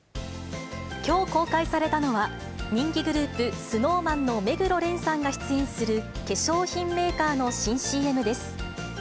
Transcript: きょう公開されたのは、人気グループ、ＳｎｏｗＭａｎの目黒蓮さんが出演する化粧品メーカーの新ＣＭです。